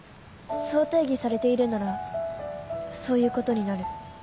そう定義されているならそういうことになる